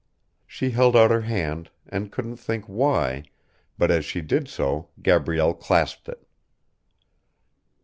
She held out her hand, she couldn't think why, but as she did so Gabrielle clasped it.